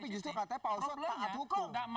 tapi justru katanya pak oso takat hukum